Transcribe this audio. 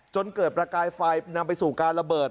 จนเกิดประกายไฟนำไปสู่การระเบิด